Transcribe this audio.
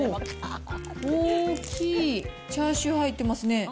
大きいチャーシュー入ってますね。